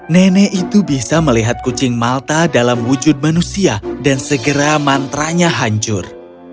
nenek itu bisa melihat kucing malta dalam wujud manusia dan segera mantranya hancur